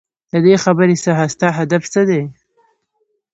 ددې خبرې څخه ستا هدف څه دی ؟؟